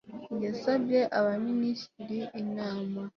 Yasabye abaminisitiri inama